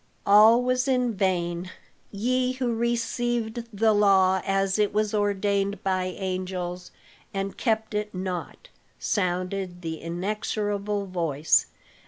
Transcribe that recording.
All was in vain, "Ye who received the law as it was ordained by angels, and kept it not!" sounded the inexorable voice.